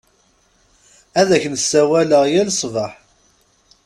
Ad ak-n-sawaleɣ yal ṣṣbeḥ.